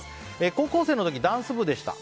高校生の時、ダンス部でした。